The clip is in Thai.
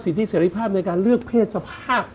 สิทธิเสร็จภาพในการเลือกเผชภาพ